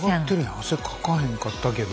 汗かかへんかったけど。